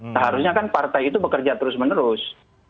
seharusnya kan partai itu bekerja terus menerus